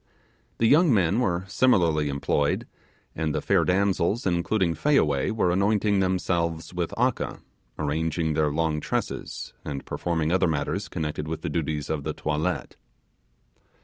The young men were similarly employed; and the fair damsels, including Fayaway, were anointing themselves with 'aka', arranging their long tresses, and performing other matters connected with the duties of the toilet.